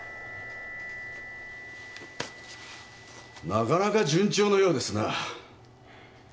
なかなか順調のようですな。